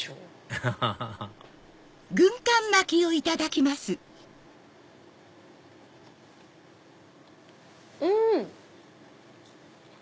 アハハハうん！